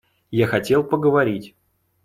Я хотел поговорить.